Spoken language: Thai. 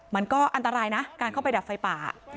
มันก็อันตรายนะการเข้าไปดับไฟป่า